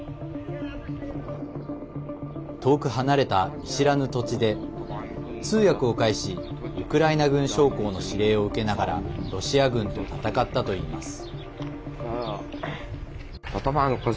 遠く離れた見知らぬ土地で通訳を介しウクライナ軍将校の指令を受けながらロシア軍と戦ったといいます。